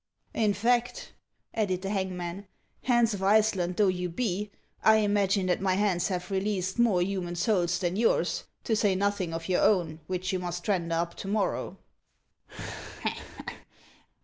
" In fact," added the hangman, " Hans of Iceland though you be, I imagine that my hands have released more human souls than yours, to say nothing of your own, which you must render up to morrow."